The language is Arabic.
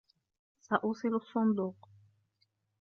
سأوصل الصندوق.